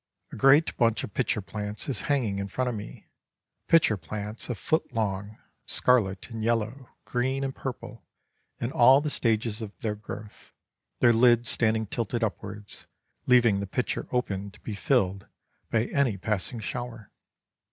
A great bunch of pitcher plants is hanging in front of me, pitcher plants a foot long, scarlet and yellow, green and purple, in all the stages of their growth, their lids standing tilted upwards, leaving the pitcher open to be filled by any passing shower.